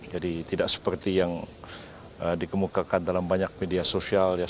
jadi tidak seperti yang dikemukakan dalam banyak media sosial ya